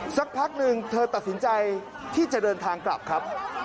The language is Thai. สักพักหนึ่งเธอตัดสินใจที่จะเดินทางกลับครับ